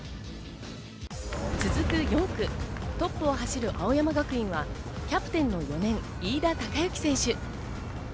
続く４区、トップを走る青山学院はキャプテンの４年、飯田貴之選手。